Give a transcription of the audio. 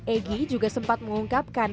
egy juga sempat mengungkapkan